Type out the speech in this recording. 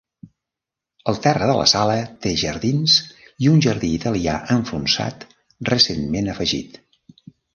El terra de la sala té jardins i un jardí italià enfonsat recentment afegit.